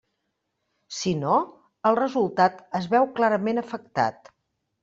Si no, el resultat es veu clarament afectat.